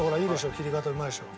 切り方うまいでしょ？